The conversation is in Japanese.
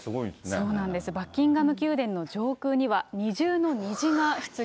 そうなんです、バッキンガム宮殿の上空には、これね。